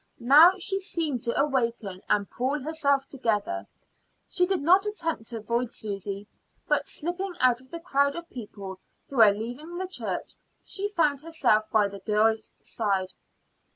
Now she seemed to awaken and pull herself together. She did not attempt to avoid Susy, but slipping out of the crowd of people who were leaving the church, she found herself by the girl's side.